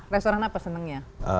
restoran apa senangnya